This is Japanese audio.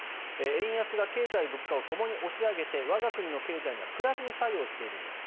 円安が経済・物価をともに押し上げて我が国の経済にはプラスに作用しているんだと。